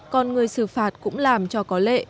còn người xử phạt cũng làm cho có lệ